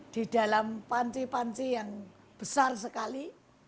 di dalam panci panci yang besar sekali